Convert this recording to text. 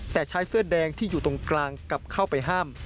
แต่ชายเสื้อแดงที่อยู่ตรงกลางกลับเข้าไปห้าม